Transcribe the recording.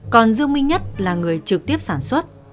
còn dương minh nhất là người trực tiếp sản xuất